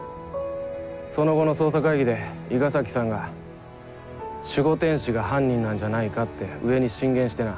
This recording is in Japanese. その後の捜査会議で伊賀崎さんが守護天使が犯人なんじゃないかって上に進言してな。